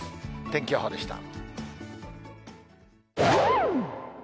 天気予報でした。